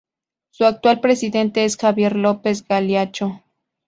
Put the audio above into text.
Su actual presidente es Javier López-Galiacho.